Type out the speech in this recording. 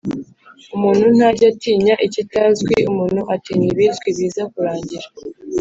umuntu ntajya atinya ikitazwi; umuntu atinya ibizwi biza kurangira.